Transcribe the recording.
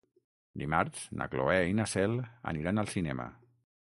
Dimarts na Cloè i na Cel aniran al cinema.